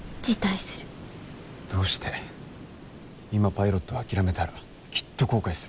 今パイロットを諦めたらきっと後悔する。